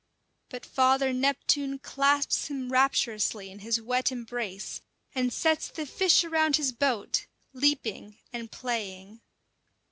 But Father Neptune clasps him rapturously in his wet embrace, and sets the fish around his boat leaping and playing.